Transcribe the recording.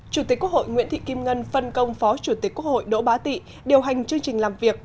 chủ tịch quốc hội nguyễn thị kim ngân phân công phó chủ tịch quốc hội đỗ bá tị điều hành chương trình làm việc